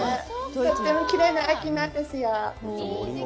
とってもきれいな秋なんですよ。